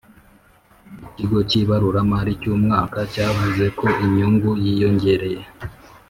Ikigo cyibaruramari cyumwaka cyavuze ko inyungu yiyongereye